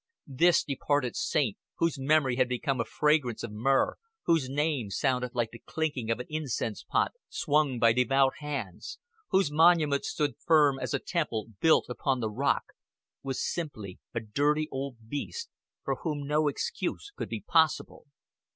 This departed saint, whose memory had become as a fragrance of myrrh, whose name sounded like the clinking of an incense pot swung by devout hands, whose monument stood firm as a temple built upon the rock, was simply a dirty old beast for whom no excuse could be possible.